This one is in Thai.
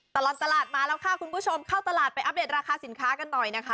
ตลอดตลาดมาแล้วค่ะคุณผู้ชมเข้าตลาดไปอัปเดตราคาสินค้ากันหน่อยนะคะ